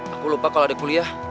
aku lupa kalau ada kuliah